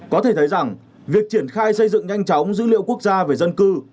có thể thấy rằng việc triển khai xây dựng nhanh chóng dữ liệu quốc gia về dân cư